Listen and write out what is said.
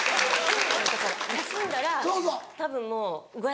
だから休んだらたぶんもう具合